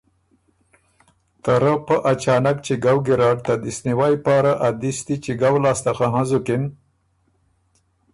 ته رۀ پۀ اچانک چِګؤ ګیرډ ته دِست نیوئ پاره ا دِستی چِګؤ لاسته خه هںزُکِن